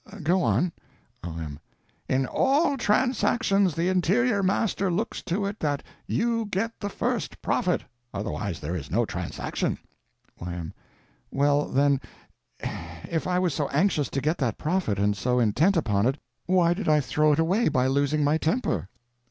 Go on. O.M. In _all _transactions, the Interior Master looks to it that _you get the first profit. _Otherwise there is no transaction. Y.M. Well, then, if I was so anxious to get that profit and so intent upon it, why did I throw it away by losing my temper?